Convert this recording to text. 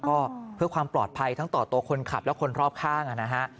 ก็เพื่อความปลอดภัยทั้งต่อตัวคนขับและคนรอบข้างนะฮะ